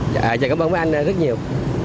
dạ dạ cảm ơn mấy anh rất nhiều